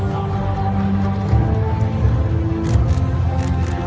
สโลแมคริปราบาล